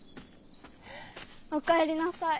おかえりなさい。